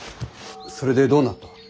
それでどうなった。